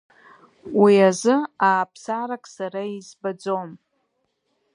Уи азы ааԥсарак сара избаӡом.